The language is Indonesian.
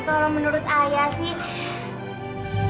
kalau menurut ayah sih